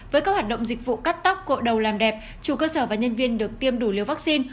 với các hoạt động dịch vụ cắt tóc cội đầu làm đẹp chủ cơ sở và nhân viên được tiêm đủ liều vaccine